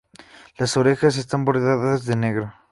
Las orejas están bordeadas de negro.